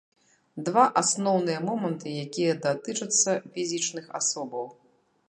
Два асноўныя моманты, якія датычацца фізічных асобаў.